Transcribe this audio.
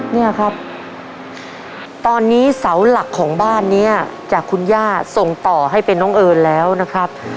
เนี่ยครับตอนนี้เสาหลักของบ้านนี้จากคุณย่าส่งต่อให้เป็นน้องเอิญแล้วนะครับ